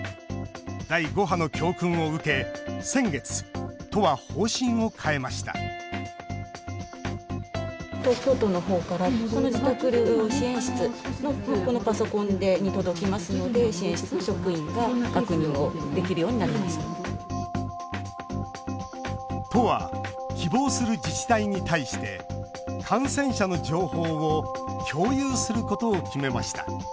第５波の教訓を受け先月、都は方針を変えました都は希望する自治体に対して感染者の情報を共有することを決めました。